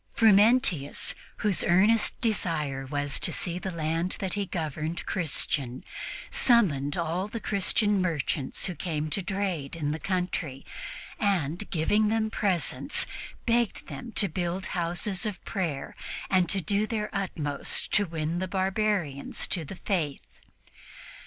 Frumentius, whose earnest desire was to see the land that he governed Christian, summoned all the Christian merchants who came to trade in the country and, giving them presents, begged them to build houses of prayer and to do their utmost to win the barbarians to the Faith.